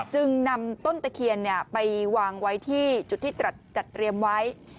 จึงนำต้นตะเคียนไปวางไว้ที่จุดที่จัดเตรียมไว้